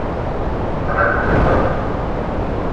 Параметры данных